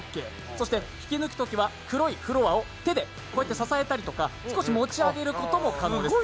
そして引き抜くときは黒いフロアを手で支えたりとか少し持ち上げることも可能です。